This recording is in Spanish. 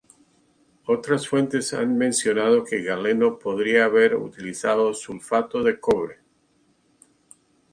Otras fuentes han mencionado que Galeno podría haber utilizado sulfato de cobre.